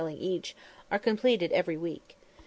_ each, are completed every week.